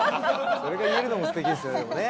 それが言えるのも素敵ですよねでもね。